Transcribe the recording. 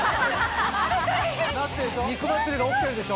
肉祭りが起きてるでしょ？